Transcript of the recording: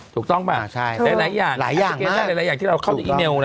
ถูกต้องป่ะหลายอย่างหลายอย่างที่เราเข้าด้วยอีเมล